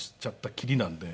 きりなんで。